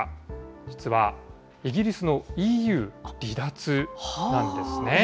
実はイギリスのＥＵ離脱なんですね。